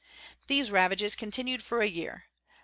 These ravages continued for a year.